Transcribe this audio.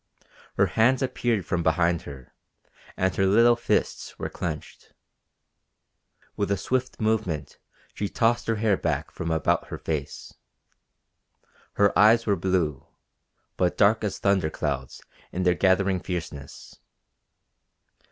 Her hands appeared from behind her, and her little fists were clenched. With a swift movement she tossed her hair back from about her face. Her eyes were blue, but dark as thunder clouds in their gathering fierceness.